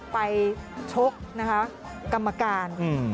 ไปชกกรรมการ